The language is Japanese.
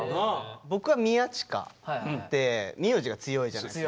僕は「宮近」って名字が強いじゃないですか。